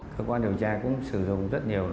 cơ quan điều tra cũng sử dụng rất nhiều